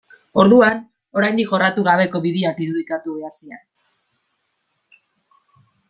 Orduan, oraindik jorratu gabeko bideak irudikatu behar ziren.